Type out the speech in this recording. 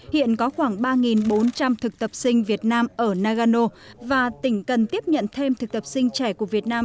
hiện có khoảng ba bốn trăm linh thực tập sinh việt nam ở nagano và tỉnh cần tiếp nhận thêm thực tập sinh trẻ của việt nam